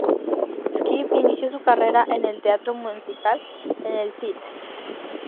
Squibb inició su carrera en el teatro musical en el St.